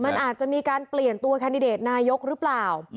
มันอาจจะมีการเปลี่ยนตัวแคนดิเดตนายกหรือเปล่า